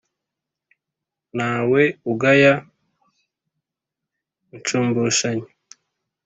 ntawe ugaya inshumbushanyo.